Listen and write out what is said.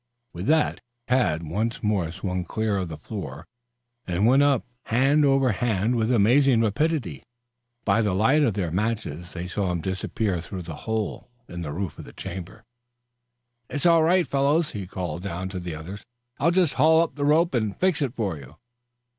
With that Tad once more swung clear of the floor and went up hand over hand with amazing rapidity. By the light of their matches they saw him disappear through the hole in the roof of the chamber. "It's all right, fellows," he called down to the others. "I'll just haul up the rope and fix it for you."